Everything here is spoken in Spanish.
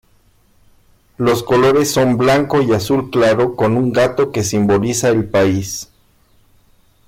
Los colores son blanco y azul claro, con un gato que simboliza el país.